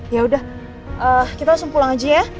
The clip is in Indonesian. ya udah kita langsung pulang aja ya